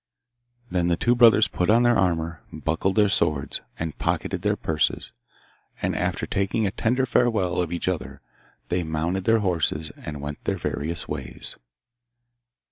Then the two brothers put on their armour, buckled their swords, and pocketed their purees; and, after taking a tender farewell of each other, they mounted their horses and went their various ways.